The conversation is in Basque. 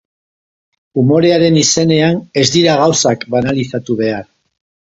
Umorearen izenean ez dira gauzak banalizatu behar.